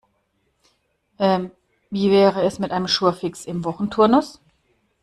Ähm, wie wäre es mit einem Jour fixe im Wochenturnus?